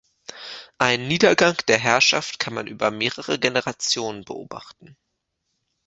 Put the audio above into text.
Einen Niedergang der Herrschaft kann man über mehrere Generationen beobachten.